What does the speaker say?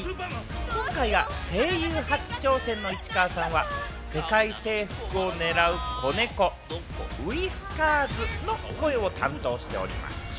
今回が声優初挑戦の市川さんは世界征服をねらう子猫・ウィスカーズの声を担当しています。